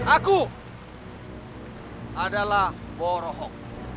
aku adalah borohok